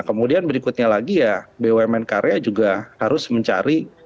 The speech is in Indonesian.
kemudian berikutnya lagi ya bumn karya juga harus mencari